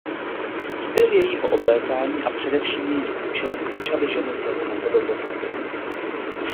Styl jejího oblékání a především její účes začaly ženy znovu napodobovat.